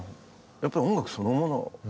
やっぱり音楽そのもの。